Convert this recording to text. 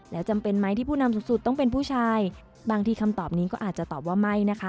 แล้วจำเป็นไหมที่ผู้นำสูงสุดต้องเป็นผู้ชายบางทีคำตอบนี้ก็อาจจะตอบว่าไม่นะคะ